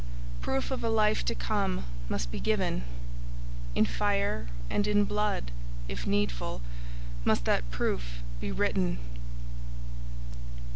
Proof of a life to come must be given. In fire and in blood, if needful, must that proof be written.